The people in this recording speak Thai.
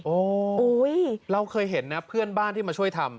โอ้โหเราเคยเห็นนะเพื่อนบ้านที่มาช่วยทำ